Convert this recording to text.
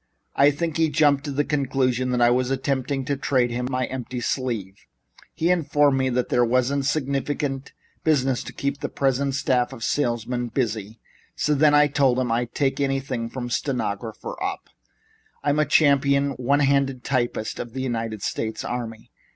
I think he jumped to the conclusion that I was attempting to trade him my empty sleeve. He informed me that there wasn't sufficient business to keep his present staff of salesmen busy, so then I told him I'd take anything, from stenographer up. I'm the champion one handed typist of the United States Army.